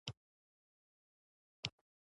اوږده غرونه د افغانستان د اقلیم ځانګړتیا ده.